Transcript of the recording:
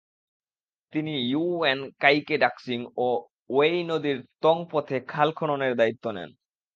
তিনি ইয়ুওয়েন কাইকে ডাক্সিং ও ওয়েই নদীর তং পথে খাল খননের দায়িত্ব দেন।